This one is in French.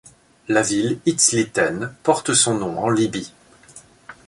La ville Izliten porte son nom en Libye.